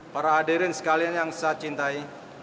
para hadirin sekalian yang saya cintai